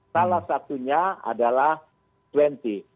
salah satunya adalah g dua puluh